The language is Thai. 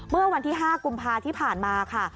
เมื่อวันที่๕กุมภาที่ผ่านมาค่ะ